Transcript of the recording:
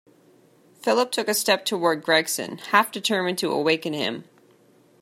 Philip took a step toward Gregson, half determined to awaken him.